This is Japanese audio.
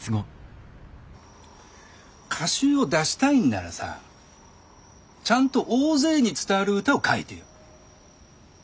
歌集を出したいんならさちゃんと大勢に伝わる歌を書いてよ。